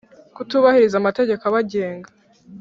kutubahiriza amategeko abagenga